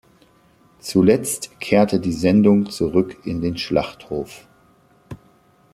Zuletzt kehrte die Sendung zurück in den Schlachthof.